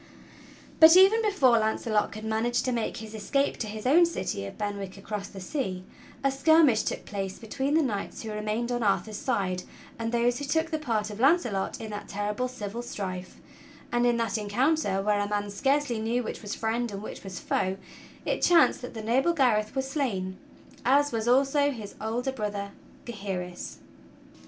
But even before Launcelot could manage to make his escape to his own city of Ben wick across the sea, a skirmish took place between the knights who remained on Arthur's side and those who took the part of Launcelot in that terrible civil strife; and in that encounter, where a man scarcely knew which was friend and which was foe, it chanced that the noble Gareth was slain, as was also his older brother Gaheris.